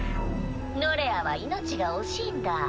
ノレアは命が惜しいんだ？